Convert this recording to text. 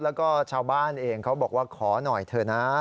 แล้วก็ชาวบ้านเองเขาบอกว่าขอหน่อยเถอะนะ